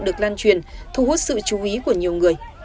được lan truyền thu hút sự chú ý của nhiều người